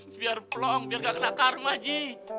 biar plong biar gak kena karma haji